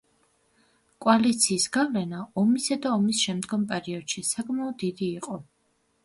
კოალიციის გავლენა ომისა და ომის შემდგომ პერიოდში საკმაოდ დიდი იყო.